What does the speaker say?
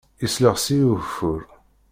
Yeslexs-iyi ugeffur.